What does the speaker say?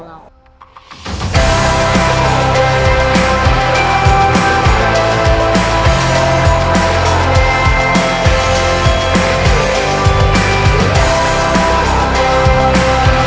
โปรดติดตามตอนต่อไป